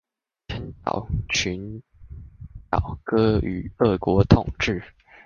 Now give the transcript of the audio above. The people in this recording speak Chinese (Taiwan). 千島群島割予俄國統冶